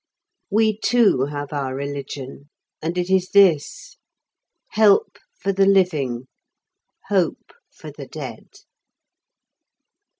We, too, have our religion, and it is this: "Help for the living, hope for the dead."